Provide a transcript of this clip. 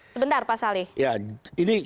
sebentar pak salli